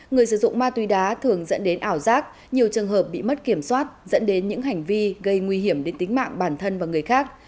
người sử dụng ma túy đá thường dẫn đến ảo giác nhiều trường hợp bị mất kiểm soát dẫn đến những hành vi gây nguy hiểm đến tính mạng bản thân và người khác